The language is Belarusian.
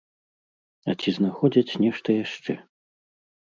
А ці знаходзяць нешта яшчэ?